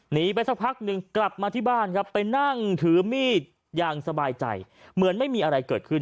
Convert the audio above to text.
หนีไปสักพักหนึ่งกลับมาที่บ้านครับไปนั่งถือมีดอย่างสบายใจเหมือนไม่มีอะไรเกิดขึ้น